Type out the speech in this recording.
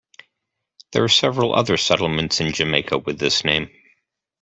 There are several other settlements in Jamaica with this name.